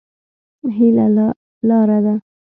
هيله لار ده.